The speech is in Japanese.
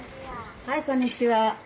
はいこんにちは。